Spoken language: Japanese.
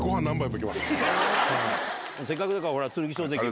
せっかくだから剣翔関も。